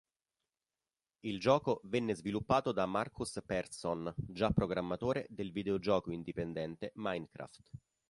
Il gioco venne sviluppato da Markus Persson, già programmatore del videogioco indipendente "Minecraft".